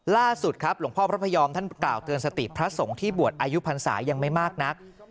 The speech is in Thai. ล่าสุดครับหลวงพ่อพระพยอมท่านกล่าวเตือนสติพระสงฆ์ที่บวชอายุพันศายังไม่มากนัก